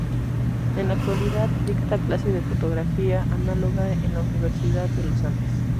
En la actualidad dicta clase de fotografía análoga en la Universidad de los Andes.